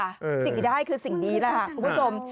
สิ่งดีด้ายคือสิ่งดีแหละค่ะผู้ผสม